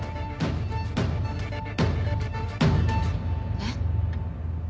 えっ？